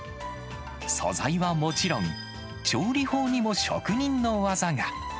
素材はもちろん、調理法にも職人の技が。